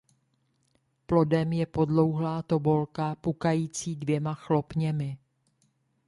Plodem je podlouhlá tobolka pukající dvěma chlopněmi.